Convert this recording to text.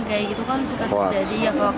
kayak gitu kan suka terjadi ya kok